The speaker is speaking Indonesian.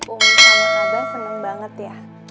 umi sama abah seneng banget ya